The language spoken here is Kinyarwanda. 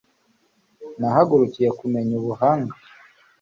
nahagurukiye kumenya ubuhanga